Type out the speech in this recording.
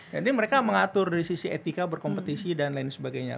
jadi mereka mengatur dari sisi etika berkompetisi dan lain sebagainya